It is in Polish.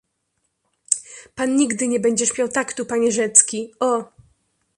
"Pan nigdy nie będziesz miał taktu, panie Rzecki... O!"